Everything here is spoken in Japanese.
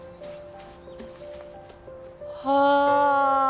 はあ！